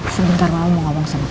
sebentar mau ngomong sama kamu